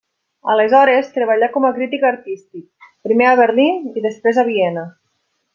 Aleshores treballà com a crític artístic, primer a Berlín i després a Viena.